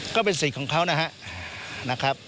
ก็เป็นสิทธิ์ของเขานะครับ